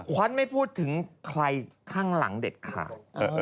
ขวัญไม่พูดถึงใครข้างหลังเด็ดขาด